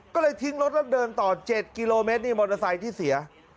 ก็เลยทิ้งรถแล้วเดินต่อ๗กิโลเมตรนี่มอเตอร์ไซค์ที่เสีย